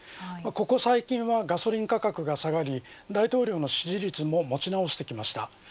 ここ最近はガソリン価格が下がり大統領の支持率ももち直してきました。